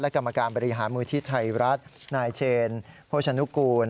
กรรมการบริหารมูลที่ไทยรัฐนายเชนโภชนุกูล